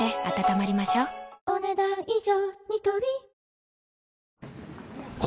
お、ねだん以上。